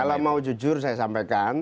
kalau mau jujur saya sampaikan